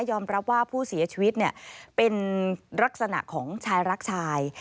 รับว่าผู้เสียชีวิตเป็นลักษณะของชายรักชาย